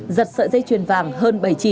giật sợi dây chuyền vàng hơn bảy chỉ